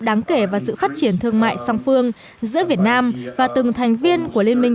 đáng kể vào sự phát triển thương mại song phương giữa việt nam và từng thành viên của liên minh